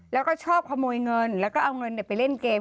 แล้วก็ชอบขโมยเงินแล้วก็เอาเงินไปเล่นเกม